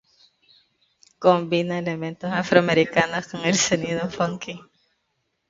Combina elementos afroamericanos con el sonido funky.